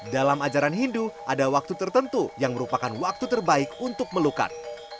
dalam ajaran hindu ada waktu tertentu yang merupakan waktu terbaik untuk melukat